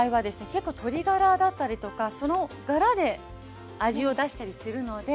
結構鶏ガラだったりとかそのガラで味を出したりするので。